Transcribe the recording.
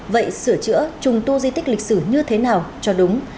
vậy sửa chữa trùng tu di tích lịch sử như thế nào cho đúng